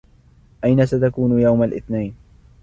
أين ستكون يوم الإثنين ؟